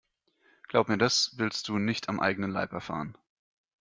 Glaub mir, das willst du nicht am eigenen Leib erfahren.